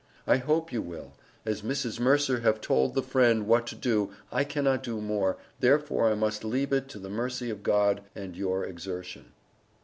I hope you will as Mrs. Mercer have told the friend what to do I cannot do more, therefore I must leve it to the Mercy of God and your Exertion.